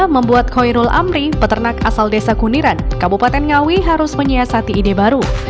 membuat khoirul amri peternak asal desa kuniran kabupaten ngawi harus menyiasati ide baru